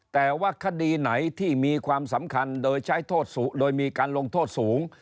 แต่ว่าคดีไหนที่มีความสำคัญโดยใช้โทษสูงโดยมีการลงโทษสูง